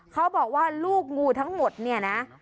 เขาบอกว่าลูกงูทั้งหมดเนี่ยนะ